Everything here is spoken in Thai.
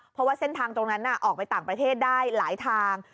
เพราะว่าเส้นทางตรงนั้นออกไปต่างประเทศได้หลายทาง